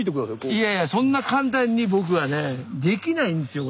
いやいやそんな簡単に僕はねできないんですよ